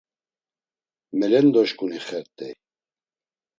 Melendoşǩuni xert̆ey.